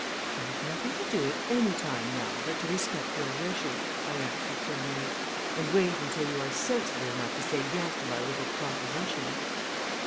"I have nothing to do at any time now but to respect your wishes," I answered firmly, "and wait until you are sensible enough to say Yes to my little proposition."